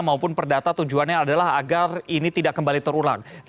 maupun perdata tujuannya adalah agar ini tidak kembali terulang